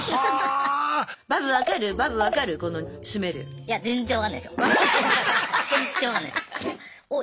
いや全然わかんないっすよ。